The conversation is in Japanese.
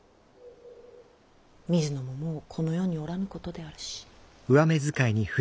水野ももうこの世におらぬことであるし。